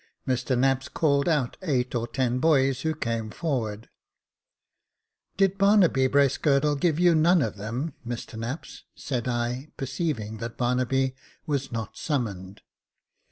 Mr Knapps called out eight or ten boys, who came forward. 40 Jacob Faithful " Did Barnaby Bracegirdle give you none of them, Mr Knapps ?" said I, perceiving that Barnaby was not summoned.